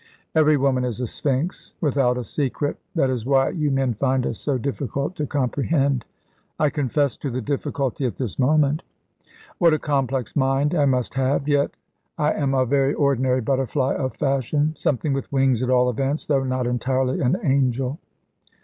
"Every woman is a sphinx." "Without a secret; that is why you men find us so difficult to comprehend." "I confess to the difficulty at this moment." "What a complex mind I must have! Yet I am a very ordinary butterfly of fashion; something with wings, at all events, though not entirely an angel."